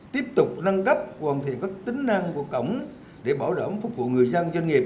tiếp tục nâng cấp hoàn thiện các tính năng của cổng để bảo đảm phục vụ người dân doanh nghiệp